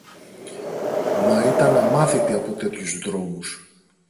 Μα ήταν αμάθητη από τέτοιους δρόμους.